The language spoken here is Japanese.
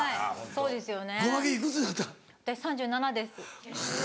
そうですよね。